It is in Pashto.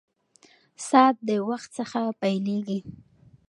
ساعت د وخت څخه پېلېږي.